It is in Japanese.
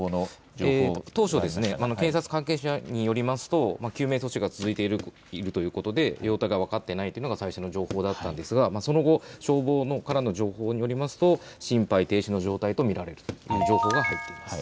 当初、警察関係者によりますと救命措置が続いているということで容体が分かっていないというのが最新の情報だったんですがその後、消防からの情報によりますと心肺停止の状態と見られるという情報が入っています。